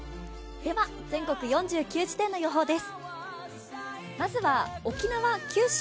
全国４９地点の予報です。